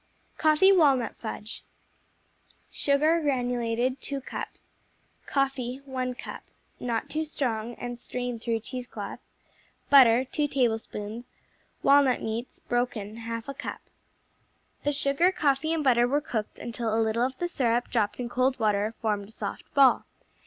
Coffee Walnut Fudge Sugar (granulated), 2 cups Coffee, 1 cup (Not too strong, and strain through cheesecloth.) Butter, 2 tablespoons Walnut meats (broken), 1/2 cup The sugar, coffee and butter were cooked until a little of the syrup, dropped in cold water, formed a soft ball.